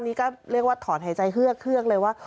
นี่ก็เรียกว่าถอดหายใจเคือกเลยว่า